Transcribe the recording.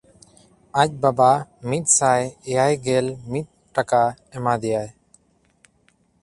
ᱟᱡ ᱵᱟᱵᱟ ᱢᱤᱫᱥᱟᱭ ᱮᱭᱟᱭᱜᱮᱞ ᱢᱤᱫ ᱴᱟᱠᱟ ᱮᱢᱟ ᱫᱮᱭᱟᱭ᱾